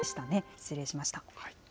失礼しました。